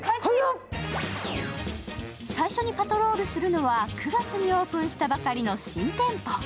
最初にパトロールするのは、９月にオープンしたばかりの新店舗。